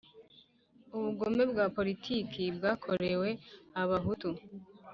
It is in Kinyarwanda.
Ubugome bwa poritiki bwakorewe Abahutu